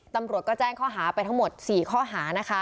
ตำรวจก็แจ้งข้อหาไปทั้งหมด๔ข้อหานะคะ